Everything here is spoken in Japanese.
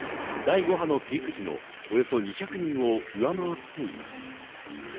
第５波のピーク時をおよそ２００人上回っています。